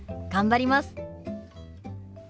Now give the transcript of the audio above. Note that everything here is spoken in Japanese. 頑張ります。